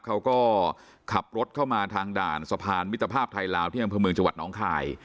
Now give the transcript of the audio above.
เขาก็ขับรถเข้ามาทางด่านสะพานวิทยาภาพไทยแล้วที่ทหารพลเมืองจน้องข่าย